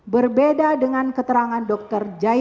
berbeda dengan keterangan dokter jaya